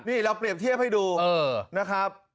นี่เราเปรียบเทียบให้ดูนะครับ